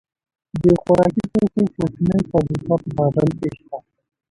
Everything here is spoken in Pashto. د خوراکي توکو کوچنۍ فابریکې په کابل کې شته.